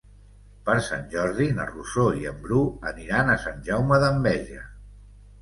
Per Sant Jordi na Rosó i en Bru aniran a Sant Jaume d'Enveja.